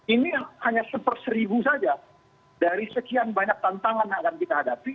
ini hanya seper seribu saja dari sekian banyak tantangan yang akan kita hadapi